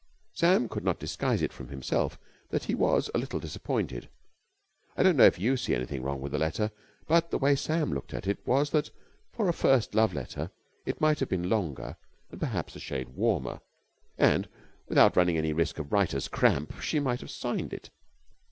Sam could not disguise it from himself that he was a little disappointed. I don't know if you see anything wrong with the letter, but the way Sam looked at it was that, for a first love letter, it might have been longer and perhaps a shade warmer. And, without running any risk of writer's cramp, she might have signed it.